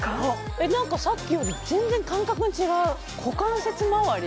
えっ何かさっきより全然感覚が違う股関節まわり